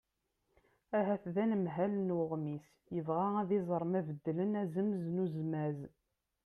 ahat d anemhal n uɣmis yebɣa ad iẓer ma beddlen azemz n uzmaz